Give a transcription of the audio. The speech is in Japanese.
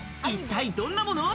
一体どんなもの？